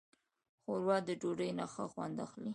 ښوروا د ډوډۍ نه ښه خوند اخلي.